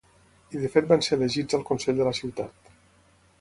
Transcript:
I de fet van ser elegits al consell de la ciutat.